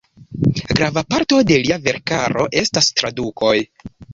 Grava parto de lia verkaro estas tradukoj.